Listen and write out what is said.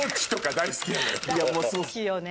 大好きよね。